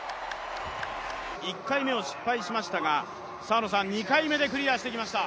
１回目を失敗しましたが２回目でクリアしてきました。